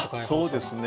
そうですね